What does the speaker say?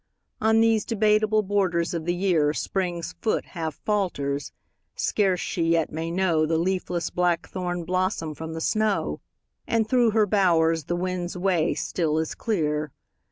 On these debateable* borders of the year Spring's foot half falters; scarce she yet may know The leafless blackthorn blossom from the snow; And through her bowers the wind's way still is clear.